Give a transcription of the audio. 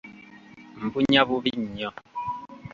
Mpunya, bubi nnyo.